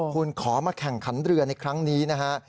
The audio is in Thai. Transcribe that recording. คุณขอมาแข่งขันเรือในครั้งนี้นะฮะ